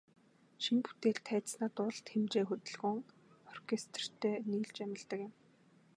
Шинэ бүтээл тайзнаа дуулалт, хэмжээ, хөдөлгөөн, оркестертэй нийлж амилдаг юм.